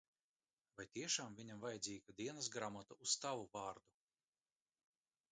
Vai tiešām viņam vajadzīga dienasgrāmata ar tavu vārdu?